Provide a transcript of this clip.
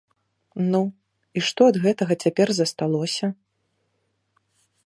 Ну, і што ад гэтага цяпер засталося?